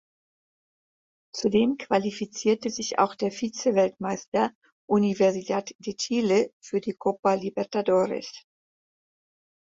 Zudem qualifizierte sich auch der Vizemeister Universidad de Chile für die Copa Libertadores.